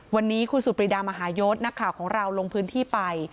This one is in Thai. วันนี้คุณสุปรีดามหายศนักข่าวของเราลงพื้นที่ไป